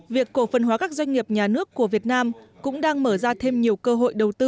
việc cổ phần hóa các doanh nghiệp nhà nước của việt nam cũng đang mở ra thêm nhiều cơ hội đầu tư